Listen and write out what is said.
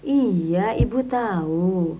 iya ibu tahu